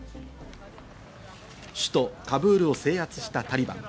首都カブールを制圧したタリバン。